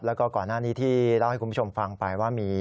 แล้วก็ก่อนหน้านี้ที่เล่าให้คุณผู้ชมฟังไปว่ามี